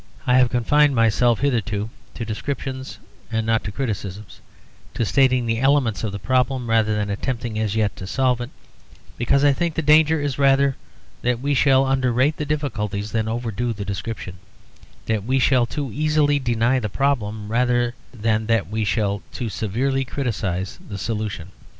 I have confined myself hitherto to descriptions and not to criticisms, to stating the elements of the problem rather than attempting as yet to solve it; because I think the danger is rather that we shall underrate the difficulties than overdo the description; that we shall too easily deny the problem rather than that we shall too severely criticise the solution.